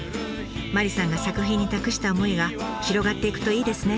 麻里さんが作品に託した思いが広がっていくといいですね。